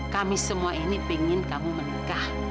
kami semua ini pengen kamu menikah